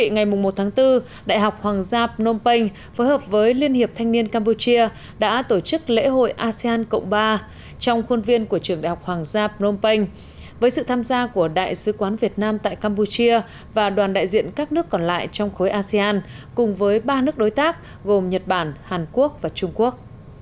ngày một tháng bốn đại học hoàng giáp nôm penh phối hợp với liên hiệp thanh niên campuchia đã tổ chức lễ hội asean cộng ba trong khuôn viên của trường đại học hoàng giáp nôm penh với sự tham gia của đại sứ quán việt nam tại campuchia và đoàn đại diện các nước còn lại trong khối asean cùng với ba nước đối tác gồm nhật bản hàn quốc và trung quốc